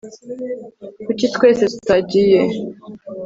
kuki twese tutagiye